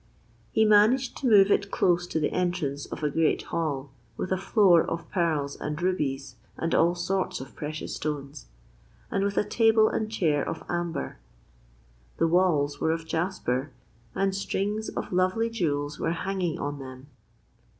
He managed to move it close to the entrance of a great hall, with a floor of pearls and rubies and all sorts of precious stones, and with a table and chair of amber. The walls were of jasper, and strings of lovely jewels were hanging on them.